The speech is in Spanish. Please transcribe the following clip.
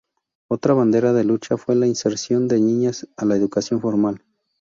Otra bandera de lucha fue la inserción de niñas a la educación formal.